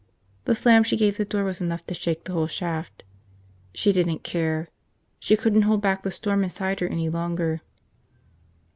The slam she gave the door was enough to shake the whole shaft. She didn't care. She couldn't hold back the storm inside her any longer.